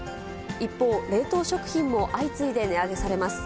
一方、冷凍食品も相次いで値上げされます。